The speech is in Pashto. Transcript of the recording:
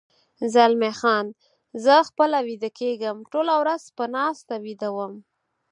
زلمی خان: زه خپله ویده کېږم، ټوله ورځ په ناسته ویده وم.